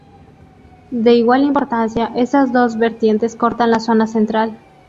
De igual importancia, estas dos vertientes cortan la zona central.